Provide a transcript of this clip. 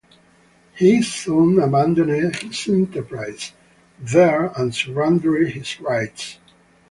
He soon abandoned his enterprises there and surrendered his rights.